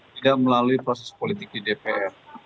tidak melalui proses politik di dpr